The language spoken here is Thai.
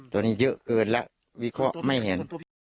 ตอนนี้เยอะเกินแล้ววิเคราะห์ไม่เห็น